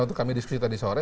untuk kami diskusi tadi sore